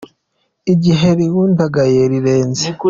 Igihe rihundagaye rirenze